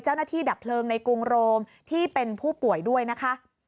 ดับเพลิงในกรุงโรมที่เป็นผู้ป่วยด้วยนะคะ